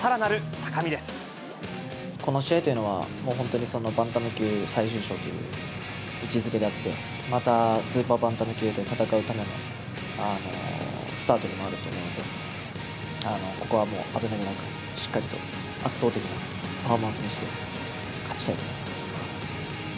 この試合というのは、本当にバンタム級最終章という位置づけであって、またスーパーバンタム級で戦うためのスタートでもあると思うので、ここはもう、危なげなく、しっかりと、圧倒的なパフォーマンスして勝ちたいと思います。